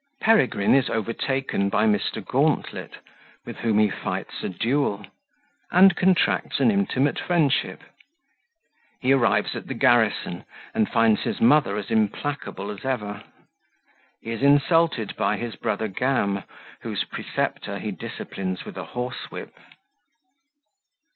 Peregrine is overtaken by Mr. Gauntlet, with whom he fights a Duel, and contracts an intimate Friendship He arrives at the Garrison, and finds his Mother as implacable as ever He is insulted by his Brother Gam, whose Preceptor he disciplines with a Horsewhip.